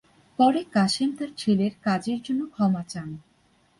পরে কাশেম তার ছেলের কাজের জন্য ক্ষমা চান।